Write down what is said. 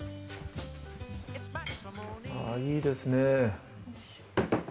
いいですね。